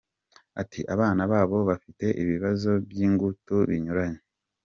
Ati” Abana babo bafite ibibazo by’ingutu binyuranye.